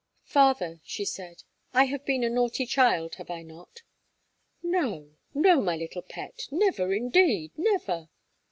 "Father," she said, "I have been a naughty child, have I not?" "No no, my little pet, never, indeed, never."